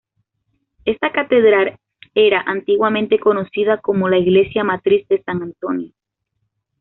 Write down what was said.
Esta Catedral era antiguamente conocida como la Iglesia Matriz de San Antonio.